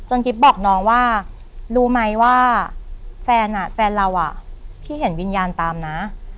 กิ๊บบอกน้องว่ารู้ไหมว่าแฟนเราอ่ะพี่เห็นวิญญาณตามนะ